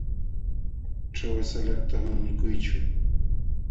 ćhawa salakta ama mikuychu.